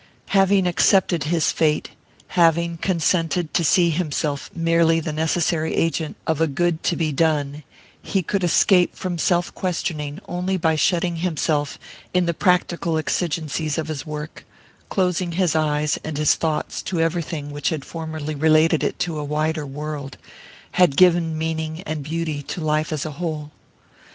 Having accepted his fate, having consented to see in himself merely the necessary agent of a good to be done, he could escape from self questioning only by shutting himself up in the practical exigencies of his work, closing his eyes and his thoughts to everything which had formerly related it to a wider world, had given meaning and beauty to life as a whole.